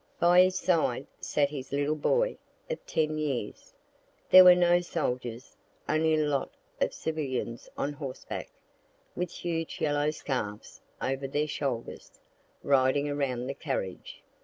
By his side sat his little boy, of ten years. There were no soldiers, only a lot of civilians on horseback, with huge yellow scarfs over their shoulders, riding around the carriage.